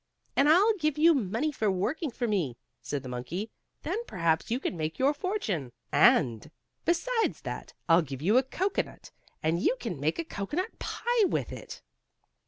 "And I'll give you money for working for me," said the monkey. "Then perhaps you can make your fortune, and, besides that, I'll give you a cocoanut, and you can make a cocoanut pie with it."